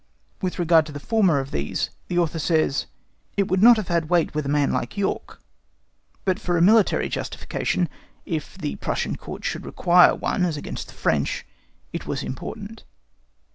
With regard to the former of these, the Author says, "it would not have had weight with a man like York, but for a military justification, if the Prussian Court should require one as against the French, it was important."